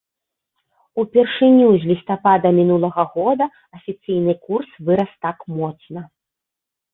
Упершыню з лістапада мінулага года афіцыйны курс вырас так моцна.